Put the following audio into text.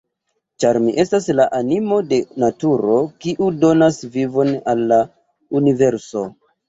Ĉar Mi estas la animo de naturo, kiu donas vivon al la universo.